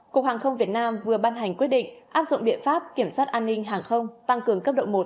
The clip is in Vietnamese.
cục hàng không việt nam vừa ban hành quyết định áp dụng biện pháp kiểm soát an ninh hàng không tăng cường cấp độ một